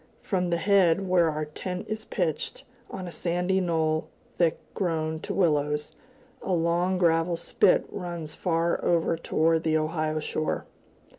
From the head, where our tent is pitched on a sandy knoll thick grown to willows, a long gravel spit runs far over toward the Ohio shore.